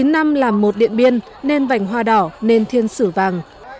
chín năm làm một điện biên nên vành hoa đỏ nên thiên sử vàng